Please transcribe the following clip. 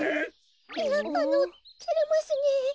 いやあのてれますねえ。